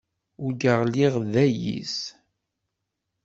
Urgaɣ lliɣ d ayis.